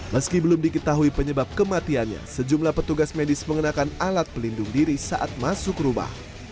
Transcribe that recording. meski belum diketahui penyebab kematiannya sejumlah petugas medis mengenakan alat pelindung diri saat masuk rumah